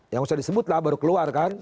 yang usah disebut lah baru keluar kan